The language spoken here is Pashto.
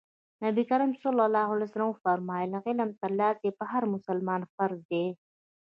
نبي کريم ص وفرمايل علم ترلاسی په هر مسلمان فرض دی.